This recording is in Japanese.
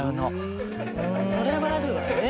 それはあるわね。